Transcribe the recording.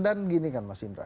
dan gini kan mas indra